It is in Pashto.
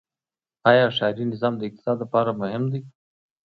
آیا ښاري نظم د اقتصاد لپاره مهم دی؟